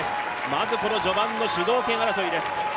まず序盤の主導権争いです。